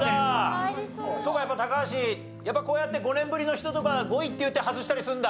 そうかやっぱ高橋やっぱこうやって５年ぶりの人とかが５位って言って外したりするんだ。